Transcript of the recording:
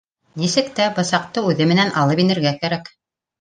Нисек тә бысаҡты үҙе менән алып инергә кәрәк